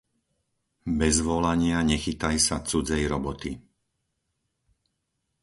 Bez volania nechytaj sa cudzej roboty.